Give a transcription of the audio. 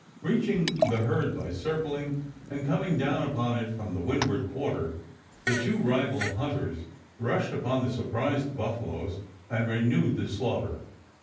Reaching the herd by circling and coming down upon it from the windward quarter, the two rival hunters rushed upon the surprised buffaloes and renewed the slaughter.